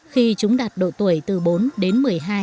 khi chúng đạt độ tuổi từ bốn đến một mươi hai